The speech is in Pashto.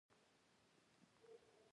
نازو انا د پښتنو یوه لویه شاعره وه.